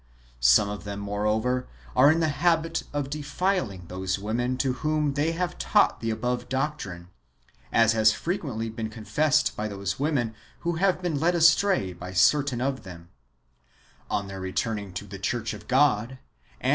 Some of them, more over, are in the habit of defiling those women to whom they have taught the above doctrine, as has frequently been con fessed by those women who have been led astray by certain of them, on their returning to the church of God, and 1 On account of what they had received from Acharaoth.